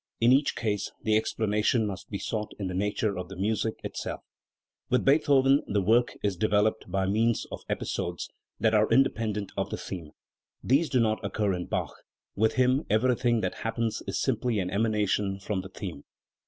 In each case the explanation must be sought in the nature of the music it self. With Beethoven the work is developed by means of "episodes" that are independent of the theme. These do not occur in Bach; with him everything that "happens" is simply an emanation from the theme.